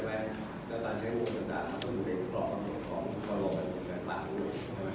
แต่ตอนใช้ของของตัวตามต้องอยู่เองก็เกราะกันของก็ออกให้เห็นกันเป็นฝากด้วย